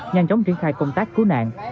nhanh chóng triển khai công tác cứu nạn